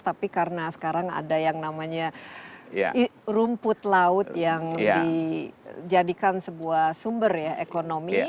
tapi karena sekarang ada yang namanya rumput laut yang dijadikan sebuah sumber ya ekonomi